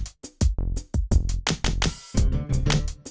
jangan lupa like share dan subscribe ya